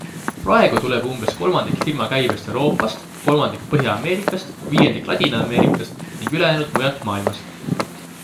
Praegu tuleb umbes kolmandik firma käibest Euroopast, kolmandik Põhja-Ameerikast, viiendik Ladina-Ameerikast ning ülejäänud mujalt maailmast.